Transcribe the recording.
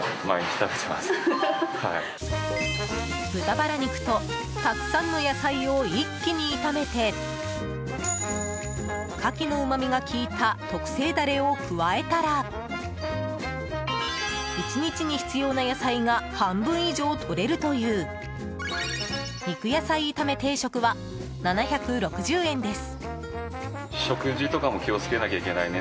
豚バラ肉とたくさんの野菜を一気に炒めてカキのうまみが効いた特製ダレを加えたら１日に必要な野菜が半分以上とれるという肉野菜炒め定食は７６０円です。